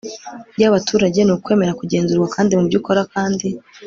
y'abaturage. ni ukwemera kugenzurwa kandi mu byo ukora, kandi